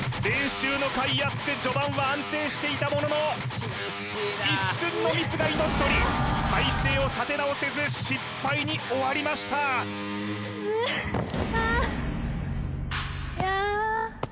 練習のかいあって序盤は安定していたものの一瞬のミスが命取り体勢を立て直せず失敗に終わりましたああ